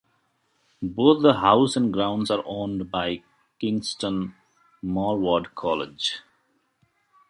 Both the house and grounds are owned by Kingston Maurward College.